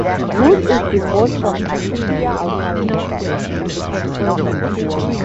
Wood is divorced from Patricia Alfaro.